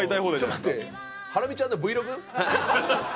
ハラミちゃんのＶｌｏｇ？